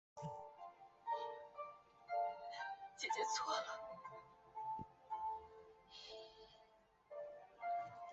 垂穗莎草是莎草科莎草属的植物。